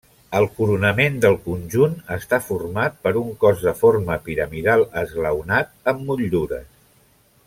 El coronament del conjunt està format per un cos de forma piramidal esglaonat amb motllures.